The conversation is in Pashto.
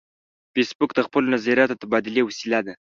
فېسبوک د خپلو نظریاتو د تبادلې وسیله ده